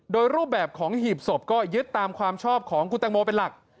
โดยรูปแบบของหีบศพก็ยึดตามความชอบของคุณตังโมเป็นหลัก